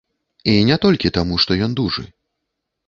І не толькі таму, што ён дужы.